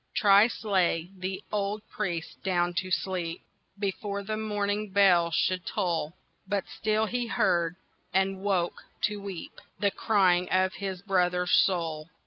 Thrice lay the old priest down to sleep Before the morning bell should toll; But still he heard—and woke to weep— The crying of his brother's soul.